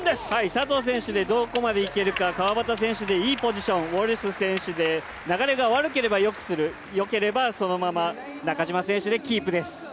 佐藤選手でどこまでいけるか、川端選手でいいポジション、ウォルシュ選手で流れが悪ければよくするよければそのまま中島選手でキープです。